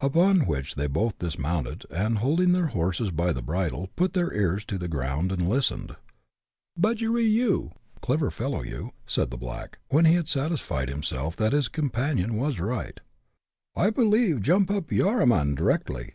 Upon which they both iHsmounttHl, and, holding their horst^ by the bridle, put their ears to the ground, anil listerunl. " Budgery you" (clever fellow, you), said the black, when ho had satisfied hhuself that his comiuinion ws^ ; v;..lif •• I l»,>li,nt> 'jump up yarraman ' directly."